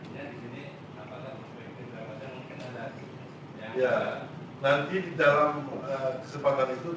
tapi kalau menurut dewan pakar mengimrekomendasikan pak hidup semangat sebagai seorang pemerintah